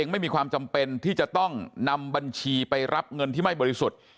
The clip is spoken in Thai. ไม่มีความจำเป็นที่จะต้องนำบัญชีไปรับเงินที่ไม่บริสุทธิ์